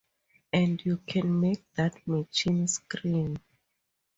And you can make that machine scream.